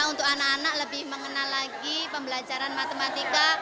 untuk anak anak lebih mengenal lagi pembelajaran matematika